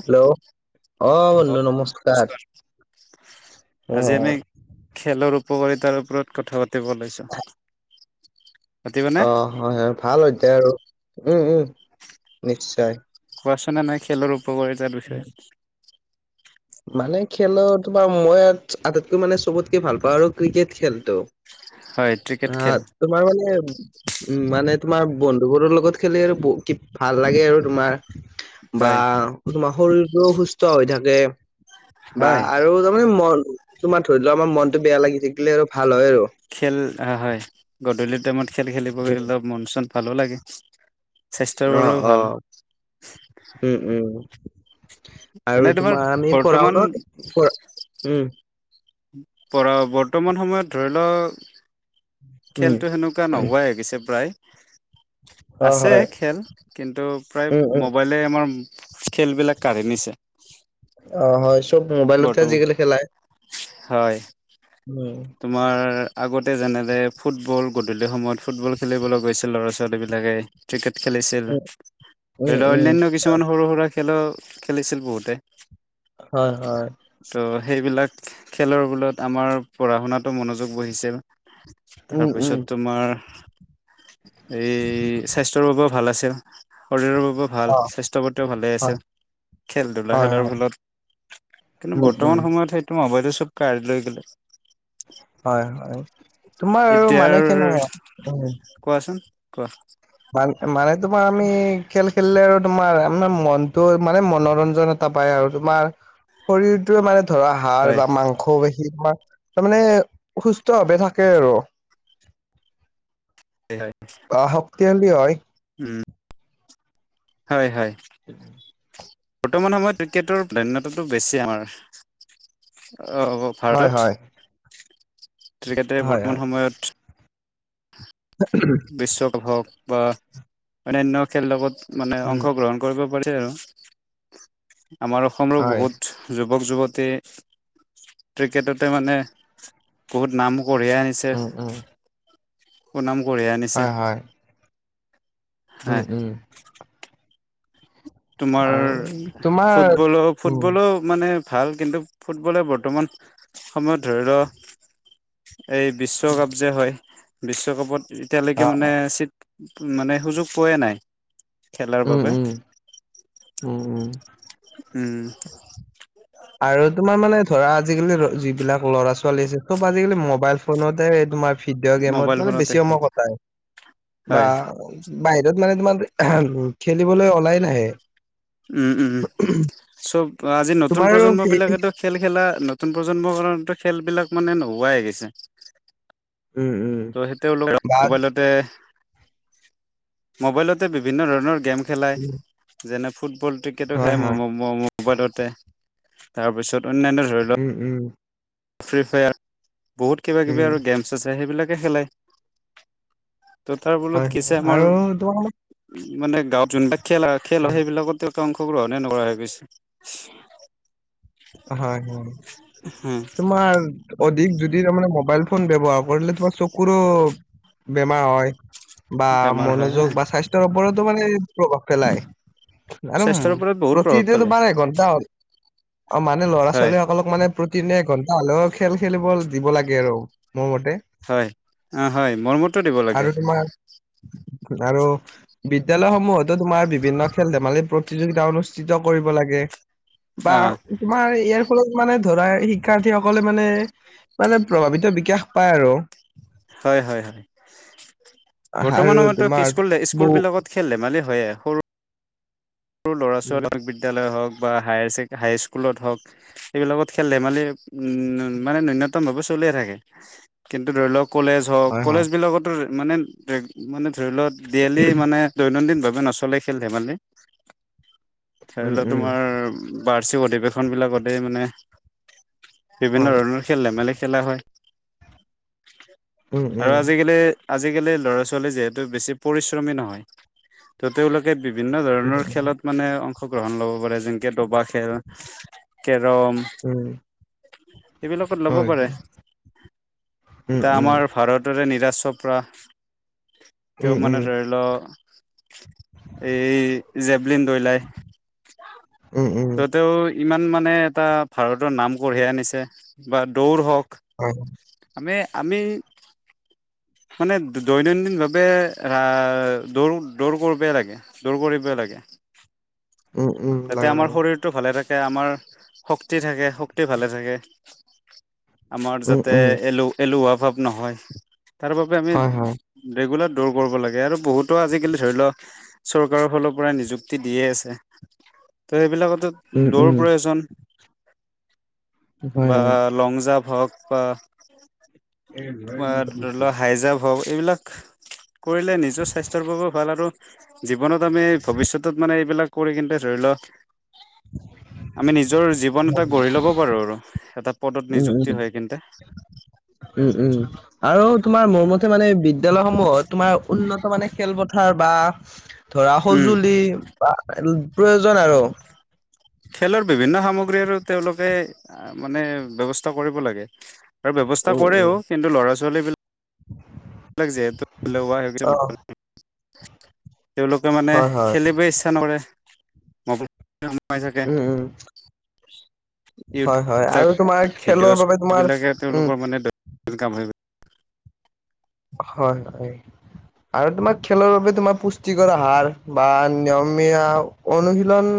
Hello অ বন্ধু নমস্কাৰ! অ আজি আমি অ। খেলৰ উপকাৰিতাৰ ওপৰত কথা পাতিব ওলাইছো। অ হয় হয় ভাল অধ্যায় আৰু উম উম নিশ্চয়। কোৱাচোনে নাই খেলৰ উপকাৰিতাৰ বিষয়ে মানে খেলৰ তোমাৰ মই আটাইতকৈ মানে চবতকে ভাল পাওঁ আৰু ক্ৰিকেট খেলটো হয় ক্ৰিকেট আহ খেল তোমাৰ মানে উম মানে তোমাৰ বন্ধুবোৰৰ লগত খেলি আৰু ভাল লাগে আৰু তোমাৰ বা হয় তোমাৰ শৰীৰটোও সুস্থ হৈ থাকে বা হয় আৰু তাৰমানে মন তোমাৰ ধৰি লোৱা আমাৰ মনটো বেয়া লাগি থাকিলে আৰু ভাল হয় আৰু খেল হয় গধূলি টাইমত খেল খেলিব গলে মন চন ভালো লাগে স্বাস্থ্যৰ অ বাবেও অ ভাল উম উম এনে আৰু তোমাৰ আমি পঢ়া বৰ্তমান শুনা কৰা উম পৰা বৰ্তমান সময়ত ধৰি লওক উম খেলটো হেনো [unintelligible] অ আছে হয় খেল কিন্তু প্ৰায় উম মবাইল উম মবাইলে আমাৰ খেলবিলাক কাঢ়ি নিছে অ হয় চব মোবাইলতে বৰ্তমান আজিকালি খেলাই হয় উম তোমাৰ আগতে যেনেদৰে ফুটবল গধূলি সময়ত ফুটবল খেলিবলৈ গৈছিল ল'ৰা ছোৱালীবিলাকে ক্ৰিকেট খেলিছিল উম উম ধৰি লোৱা উম অন্যান্য কিছুমান সৰু সৰু খেলো খেলিছিল বহুতে হয় হয় ত' সেইবিলাক খেলৰ বলত আমাৰ পঢ়া শুনাতো মনোযোগ বহিছিল উম উম তাৰপিছত তোমাৰ এই স্বাস্থ্যৰ বাবেও ভাল আছিল শৰীৰৰ বাবেও ভাল অ স্বাস্থ্যৰ প্ৰতিও ভালে হয় আছে খেল ধূলা হয় খেলাৰ হয় ফলত কিন্তু উম উম বৰ্তমান সময়ত সেইটো মোবাইলটোৱে চব কাঢ়ি লৈ গ'লে হয় হয় তোমাৰ আৰু এতিয়াৰ মানে কেনে উম কোৱাচোন কোৱা মান মানে তোমাৰ আমি খেল খেলিলে আৰু তোমাৰ আৰ মনটো মানে মনোৰঞ্জন পায় আৰু তোমাৰ শৰীৰটোৱে মানে ধৰা হাড় হয় বা মাংসপেশীৰ তোমাৰ তাৰমানে সুস্থ ভাৱে থাকে আৰু হয় বা শক্তিশালী হয় উম হয় হয় বৰ্তমান সময়ত ক্ৰিকেটৰ প্ৰাধান্যতাটো বেছি আমাৰ অ হয় ভাৰতত। হয় ক্ৰিকেটে হয় বৰ্তমান সময়ত ঊম বিশ্বকাপ হওক বা অন্যান্য খেলৰ লগত মানে উম অংশগ্ৰহণ কৰিব পাৰে আৰু আমাৰ অসমৰো হয় বহুত যুৱক যুৱতী ক্ৰিকেটতে মানে বহুত নাম কঢ়িয়াই আনি ছে উম উম সুনাম কঢ়িয়াই আনিছে হয় হয় উম হয় উম তোমাৰ আৰু তোমাৰ ফুটবলো উম ফুটবলো মানে ভাল কিন্তু ফুটবলে বৰ্তমান সময়ত ধৰি লওক এই বিশ্বকাপ যে হয় বিশ্বকাপত এতিয়ালৈকে অ মানে চিট মানে সুযোগ পোৱাই নাই, খেলাৰ উম বাবে। উম উম উম উম আৰু তোমাৰ মানে ধৰা আজিকালি যিবিলাক ল'ৰা ছোৱালী আছে চ'ব আজিকালি মোবাইল ফোনতে তোমাৰ ভিডিঅ' মোবাইল গেমত মানে ফোনতে বেছি সময় কটাই আৰু বা হয় বাহিৰত মানে তোমাৰ খেলিবলৈ ওলাই নাহে। উম উম, চ'ব আজি নতুন তোমাৰো প্ৰজন্ম সেই বিলাকেতো খেল খেলা নতুন প্ৰজন্মৰ কাৰণতো খেলবলাক মানে নোহোৱাই হৈ গেছে। উম উম। তো সেই তেওঁলোকে বা মোবাইলতে মোবাইলতে বিভিন্ন ধৰণৰ গেম খেলাই, উম, যেনে ফুটবল ক্ৰিকেটো হয় খেলাই হয় ম ম বাইলতে তাৰপিছত অন্যান্য ধৰি লোৱা উম উম ফ্ৰী ফায়াৰ। বহুত কিবা কিবি উম আৰু গেমছ আছে সেইবিলাকে খেলে। ত' তাৰ হয় ফলত হয়। হৈছে আমাৰ আৰু তোমাৰ মানে মানে গাঁৱত যোনবিলাক খেল হয় খেল উম, সেইবিলাকতে অংশ গ্ৰহণে নকৰা হৈ গৈছে। হয় তোমাৰ অধিক যদি তাৰমানে ফোন ব্যৱহাৰ তোমাৰ চকুৰো বেমাৰ হয়। বা বেমাৰ হয় মনোযোগ হয় বা স্বাস্থ্যৰ ওপৰতো মানে প্ৰভাৱ পেলায় আৰু স্বাস্থ্যৰ ওপৰত বহুত প্ৰভাৱ প্ৰতি দিনে পেলায় তোমাৰ এক ঘণ্টা অঁ মানে ল'ৰা হয় ছোৱালী সকলক মানে প্ৰতিদিনে এঘণ্টা হ'লেও খেল খেলিব দিব লাগে আৰু মোৰ মতে হয় অ হয় মৰমতো দিব লাগে আৰু তোমাৰ আৰু বিদ্যলয় সমূহতো তোমাৰ বিভিন্ন খেল ধেমালি প্ৰতিযোগিতা অনুষ্ঠিত কৰিব লাগে। বা অ তোমাৰ ইয়াৰ ফলত মানে ধৰা শিক্ষাৰ্থী সকলে মানে মানে প্ৰভাৱিত বিকাশ পায় আৰু। হয় হয়। বৰ্তমান আৰু সময়ত ত' তোমাৰ স্কুল স্কুল বহু বিলাকত খেল ধেমালি হয়ে সৰু সৰু ল'ৰা উম ছোৱালীক বিদ্যালয় হ'ওক বা হায় হাইস্কুলত হ'ওক। এইবিলাকত খেল ধেমালি উম মানে নূন্যনতম ভাৱে চলিয়ে থাকে, কিন্তু ধৰি লওক কলেজ হ'ওক হয় কলেজ হয় বিলাকতো মানে মানে ধৰি ল'ওক ডেইলি মানে দৈনন্দিন ভাৱে নচ'লে খেল ধেমালি। ধৰি উম লোৱা উম তোমাৰ বাৰ্ষিক অধিৱেশন বিলাকতে মানে বিভিন্ন হয় ধৰণৰ খেল ধেমালী খেলা হয় উম আৰু উম আজিকালি আজিকালি ল'ৰা ছোৱালী যিহেতু বেছি পৰিশ্ৰমী নহয় ত' তেওঁলোকে বিভিন্ন ধৰণৰ উম খেলত মানে অংশগ্ৰহণ ল'ব পাৰে যেনেকে দবা খেল, কেৰম উম এইবিলাকত ল'ব হয় পাৰে উম, এতিয়া উম, আমাৰ ভাৰত দৰে নিৰশ চপৰা তেওঁ উম, মানে উম, ৰ'য়েলত এই জেবলিন দলিয়াই উম, উম, ত তেওঁ ইমান মানে এটা ভাৰতৰ নাম কঢ়িয়াই আনিছে বা দৌৰ হ'ওক হয়। আমি আমি মানে দৈনন্দিনভাৱে ৰা দৌৰ দৌৰ কৰিবই লাগে। দূৰ কৰিব লাগে, উম, উম, যাতে লাগে, আমাৰ লাগে, শৰীৰ টো ভালে থাকে আমাৰ শক্তি থাকে শক্তি ভালে থাকে। আমাৰ উম, যাতে উম, এলু এলেহুৱা ভাৱ নহয় তাৰ বাবে আমি হয়, হয়, ৰেগুলাৰ দৌৰ কৰিব লাগে আৰু বহুতো আজিকালি ধৰি লোৱা চৰকাৰৰ ফালৰ পৰা নিযুক্তি দিয়ে আছে ত' সেইবিলাকটো উম, দৌৰ উম, প্ৰয়োজন। হয়, বা হয়, লং জাম্প হওঁক বা তোমাৰ ধৰি লোৱা হাই জাম্প হওঁক এইবিলাক কৰিলে নিজৰ স্বাস্থ্যৰ বাবেও ভাল আৰু জীৱনত আমি ভৱিষ্যতত মানে এইবিলাক কৰি কিন্তু ধৰি ল আমি নিজৰ জীৱন এটা গঢ়ি ল'ব পাৰো আৰু এটা পদত উম, নিযুক্তি উম, হয় কিন্তে। উম উম আৰু তোমাৰ মোৰ মতে মানে এই বিদ্যালয়সমূহত তোমাৰ উন্নত মানে খেলপথাৰ বা ধৰা উম সজুলি প্ৰয়োজন আৰু। খেলৰ বিভিন্ন সামগ্ৰী আৰু তেওঁলোকে মানে ব্যৱস্থা কৰিব লাগে। আৰু ব্যৱস্থা উম, কৰেও উম। কিন্তু ল'ৰা-ছোৱালীবিলাক লাক যিহেতু এলেহুৱা সেই কাৰণে অ', গুৰুত্ব নিদিয়ে। তেওঁলোকে মানে হয়, হয়, খেলিবেই ইচ্ছা নকৰে ম মোবাইলতে সোমাই থাকে। উম, উম, হয়, হয়, ইটউববিলাক, আৰু তোমাৰ খেলৰ বাবে তোমাৰ ভিডিঅ'চবিলাকে উম, তেওঁলোকৰ মানে দৈনন্দিন কাম হৈ গ'ল। হয় হয়। আৰু তোমাৰ খেলৰ বাবে তোমাৰ পুষ্টিকৰ আহাৰ বা নিয়মীয়া অনুশীলন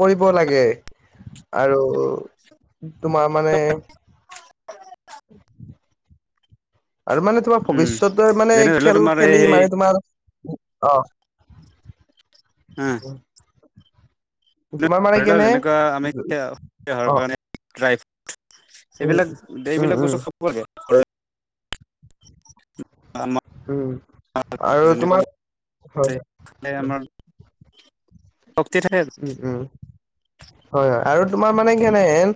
কৰিব লাগে আৰু তোমাৰ মানে [inaudible] আৰু মানে তোমাৰ উম ভৱিষ্যতে মানে যেনে ধৰি লোৱা খেল তোমাৰ এই খেলি মানে সেই তোমাৰ অ। উম। তোমাৰ মানে ধৰি লওঁক কেনে এনেকুৱা আমি এতিয়া দেহৰ অ কাৰণে ড্ৰাই ফ্ৰুট উম এইবিলাক উম এইবিলাক উম বস্তু খাব লাগে। উম [unintelligible] আৰু তোমাৰ হয় [unintelligible] হয় আমাৰ শক্তি থাকে। উম উম, হয় হয় আৰু তোমাৰ মানে কেনেহেন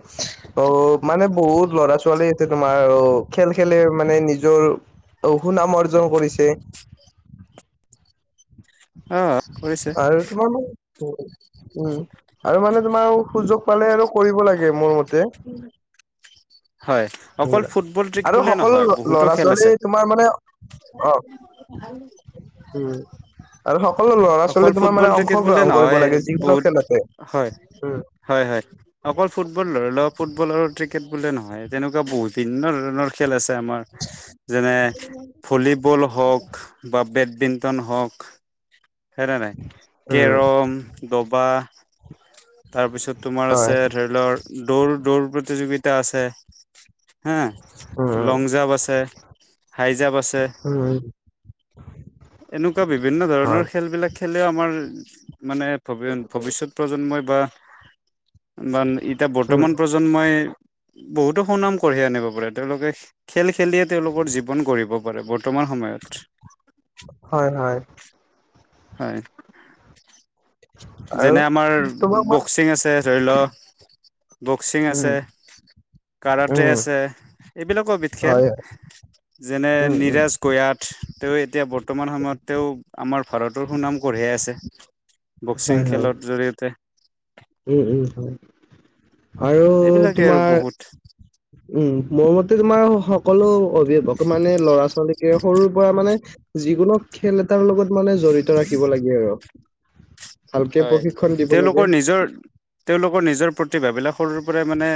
অ, মানে বহুত ল'ৰা-ছোৱালী এতিয়া তোমাৰ অ খেল খেলে মানে নিজৰ অ, সুনাম অৰ্জন কৰিছে। অ, কৰিছে। আৰু তোমাৰ মোক বহুত উম। আৰু মানে তোমাৰ আৰু সুযোগ পালে আৰু কৰিব লাগে মোৰ মতে। হয়। অকল বুজিলা। ফুটবল ক্ৰিকেট আৰু বুলিয়ে সকলো নহয় ল ব বহুতো খেল আছে ল'ৰা-ছোৱালী তোমাৰ মানে অ, উম আৰু সক সকলো অকল ল'ৰা-ছোৱালী তোমাৰ ফুটবল মানে ক্ৰিকেট বুলিয়ে অংশগ্ৰহণ কৰিব নহয় লাগে যিকোনো বহুত খেলতে। হয় হয় হয়। অকল ফুটবল ধৰি লোৱা ফুটবল আৰু ক্ৰিকেট বুলিয়ে নহয় তেনেকুৱা বহুত বিভিন্ন ধৰণৰ খেল আছে আমাৰ। যেনে ভলীবল হওঁক বা বেডমিন্টন হওঁক হয়নে নাই উম কেৰম, দবা, তাৰপিছত তোমাৰ হয় আছে ধৰি লওঁক দৌৰ দৌৰ প্ৰতিযোগিতা আছে। উম, উম উম লং জাপ আছে, হাই জাপ আছে। উম। এনেকুৱা বিভিন্ন ধৰণৰ হয় খেলবিলাক খেলে আমাৰ, মানে ভৱি, ভৱিষ্যত প্ৰজন্মই বা বান, এতিয়া উম বৰ্তমান প্ৰজন্মই বহুতো সুনাম কঢ়িয়াই আনিব পাৰে। তেওঁলোকে খেল খেলিয়েই তেওঁলোকৰ জীৱন গঢ়িব পাৰে, বৰ্তমান সময়ত। হয়, হয়। হয়। আৰু যেনে আমাৰ তোমাক মই বক্সিং আছে ধৰি ল। বক্সিং উম আছে, কাৰাটে উম আছে, এইবিলাকো এবিধ খেল। হয় যেনে উম উম নিৰাজ গয়াত। তেওঁ এতিয়া বৰ্তমান সময়ত, তেওঁ আমাৰ ভাৰতৰ সুনাম কঢ়িয়াই আছে। হয় বক্সিং হয় খেলৰ জৰিয়তে। উম, উম আৰু এইবিলাকে আৰু তোমাৰ বহুত উম, মোৰ মতে তোমাৰ সকলো অভিভাৱকে মানে ল'ৰা-ছোৱালীকে সৰুৰ পৰা মানে, যিকোনো খেল এটাৰ লগত মানে জড়িত ৰাখিব লাগে আৰু। ভালকে হয়, প্ৰশিক্ষণ দিব লাগে তেওঁলোকৰ নিজৰ তেওঁলোকৰ নিজৰ প্ৰতিভাবিলাক সৰুৰ পৰাই মানে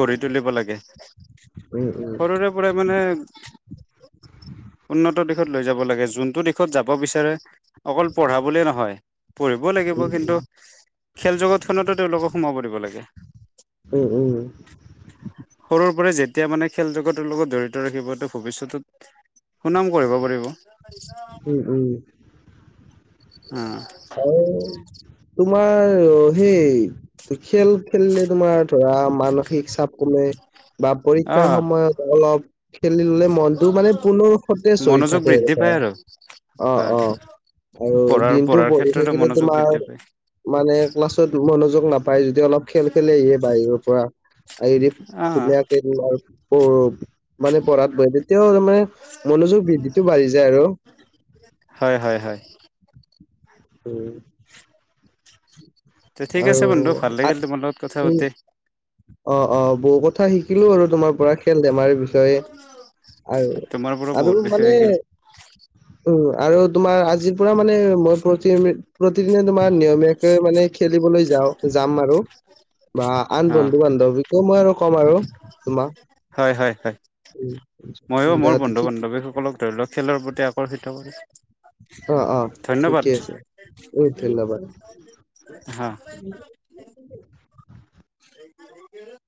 গঢ়ি তুলিব লাগে। উম, উম, সৰুৰে পৰাই মানে উন্নত দিশত লৈ যাব লাগে। যোনটো দিশত যাব বিচাৰে। অকল পঢ়া বুলিয়ে নহয়, পঢ়িবও লাগিব উম, কিন্তু খেল জগতখনতো তেওঁলোকক সোমাব দিব লাগে। উম, উম। সৰুৰ পৰাই যেতিয়া মানে খেল জগতৰ লগত জড়িত ৰাখিব, তেওঁ ভৱিষ্যতত সুনাম কৰিব পাৰিব। উম, উম। উম। আৰু তোমাৰ সেই খেল খেলিলে তোমাৰ ধৰা মানসিক চাপ কমে বা পৰীক্ষাৰ আহ সময়ত অলপ খেলি ললে মনতটো মানে পুনৰ সতেজ হৈ মনোযোগ থাকে বৃদ্ধি ধৰা। পায় আৰু অ হয় অ আৰু পঢ়াৰ দিনটো পঢ়াৰ পঢ়ি ক্ষেত্ৰতো থাকিলে মনোযোগ তোমাৰ বৃদ্ধি পায় মানে ক্লাছত মনোযোগ নাপায় যদি অলপ খেল খেলিহে বাহিৰৰ পৰা শাৰীৰিক অ ধুনীয়াকে তোমাৰ পঢ় মানে পঢ় পঢ়াত বহিবি এতিয়াও তাৰ মানে মনোযোগ বৃদ্ধিটো বাঢ়ি যায় আৰু হয় হয় হয় উম দে ঠিক আছে বন্ধু আৰু ভাল লাগিল তোমাৰ লগত কথা উম, পাতি অ অ বহু কথা শিকিলো আৰু পৰা খেল ধেমালি বিষয়ে আৰু তোমাৰ পৰা আৰু বহুত বিষয় মানে শিকিল উম আৰু তোমাৰ আজিৰ পৰা মানে মই প্ৰতি প্ৰতিদিনে তোমাৰ নিয়মীয়াকে মানে খেলিবলৈ যাওঁ যাম আৰু বা আন অ বন্ধু বান্ধবিকো মই আৰু কম আৰু তোমাক হয় হয় হয় উম, ময়ো দে মোৰ বন্ধু ঠিক বান্ধৱীসকলক ধৰি লক খেলৰ প্ৰতি আকৰ্ষিত কৰি অ অ ধন্যবাদ ঠিকে আছে উম ধন্যবাদ। হা